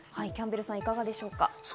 キャンベルさん、いかがでしょうか。